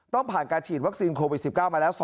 ต้องผ่านการฉีดวัคซีนโควิด๑๙มาแล้ว